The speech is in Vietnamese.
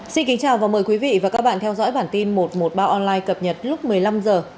xin kính chào và mời quý vị và các bạn theo dõi bản tin một trăm một mươi ba online cập nhật lúc một mươi năm h